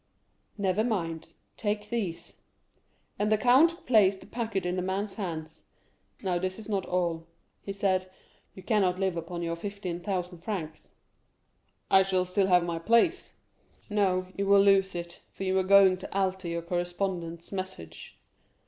"Never mind—take these;" and the count placed the packet in the man's hands. "Now this is not all," he said; "you cannot live upon your fifteen thousand francs." "I shall still have my place." "No, you will lose it, for you are going to alter your correspondent's message."